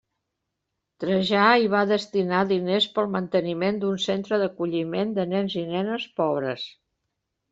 Trajà hi va destinar diners pel manteniment d'un centre d'acolliment de nens i nenes pobres.